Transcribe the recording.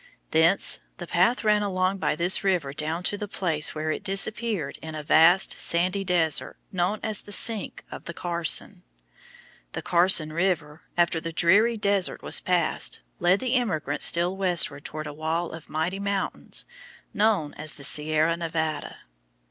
Thence the path ran along by this river down to the place where it disappeared in a vast sandy desert known as the sink of the Carson. The Carson River, after the dreary desert was passed, led the emigrants still westward toward a wall of mighty mountains known as the Sierra Nevada.